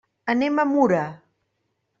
Anem a Mura.